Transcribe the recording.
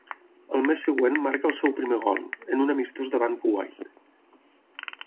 Al mes següent, marca el seu primer gol, en un amistós davant Kuwait.